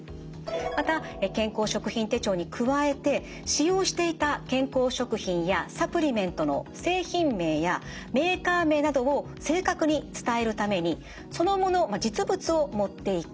また健康食品手帳に加えて使用していた健康食品やサプリメントの製品名やメーカー名などを正確に伝えるためにそのもの実物を持っていく。